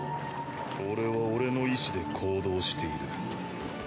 俺は俺の意思で行動している。